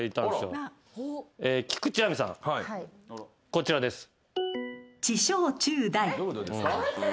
こちらです。